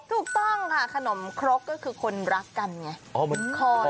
ถูกต้องค่ะขนมครกก็คือคนรักกันไง